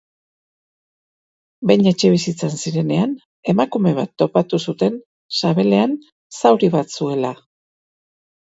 Behin etxebizitzan zirenean, emakume bat topatu zuten sabelean zauri bat zuela.